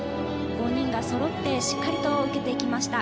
５人がそろってしっかりと受けていきました。